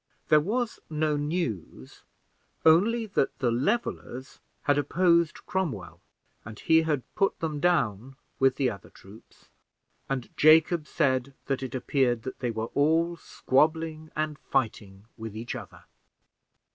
There was no news, only that the Levelers had opposed Cromwell, and he had put them down with the other troops, and Jacob said that it appeared that they were all squabbling and fighting with each other.